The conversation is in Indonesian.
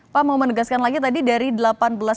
pak mau menegaskan lagi tadi dari delapan belas